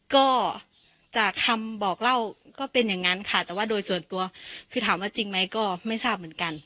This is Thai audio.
ก็จากคำบอกเล่าก็เป็นอย่างนั้นค่ะแต่ว่าโดยส่วนตัวคือถามว่าจริงไหมก็ไม่ทราบเหมือนกัน